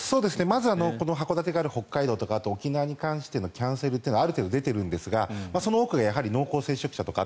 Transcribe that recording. まず函館がある北海道とかあと沖縄に関してのキャンセルはある程度出ているんですがその多くが濃厚接触者とか